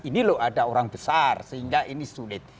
ini loh ada orang besar sehingga ini sulit